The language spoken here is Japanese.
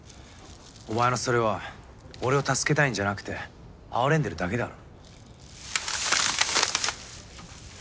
お前のそれは俺を助けたいんじゃなくて哀れんでるだけだろ。